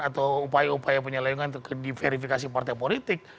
atau upaya upaya penyelewengan di verifikasi partai politik